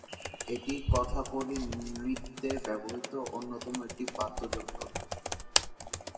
এটি কথাকলি নৃত্যে ব্যবহৃত অন্যতম একটি বাদ্যযন্ত্র।